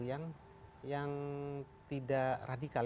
yang tidak radikal